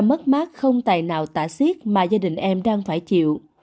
mất mát không tài nào tả xiết mà gia đình em đang phải chịu